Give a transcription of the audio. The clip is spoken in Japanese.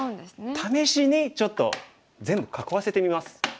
試しにちょっと全部囲わせてみます。